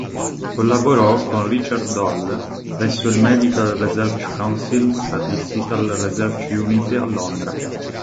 Collaborò con Richard Doll presso il Medical Research Council Statistical Research Unit a Londra.